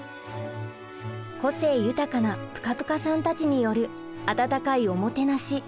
個性豊かなぷかぷかさんたちによる温かいおもてなし。